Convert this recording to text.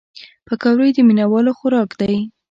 پکورې د مینهوالو خوراک دی